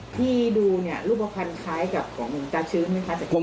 ที่ดูเนี่ยรูปภัณฑ์คล้ายกับของตาชื้นไหมคะ